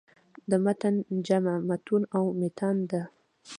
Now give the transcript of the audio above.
د متن جمع "مُتون" او "مِتان" ده.